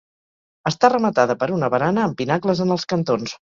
Està rematada per una barana amb pinacles en els cantons.